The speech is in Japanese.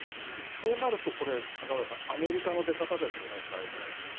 そうなると中林さんアメリカの出方ですよね。